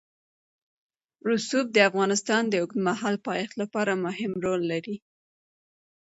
رسوب د افغانستان د اوږدمهاله پایښت لپاره مهم رول لري.